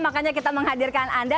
makanya kita menghadirkan anda